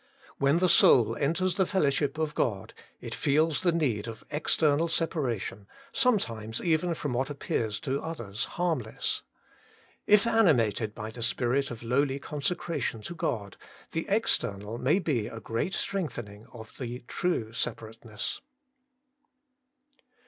When the soul enters the fellowship of God, it feels the need of external separation, sometimes even from what appears to others harmless. If animated by the spirit of lowly consecration to God, the external may be a great strengthening of the true separateness.